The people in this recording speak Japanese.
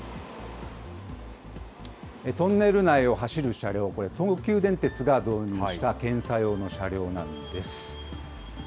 トンネル内を走る車両、これ、東急電鉄が導入した検査用の車両なんです。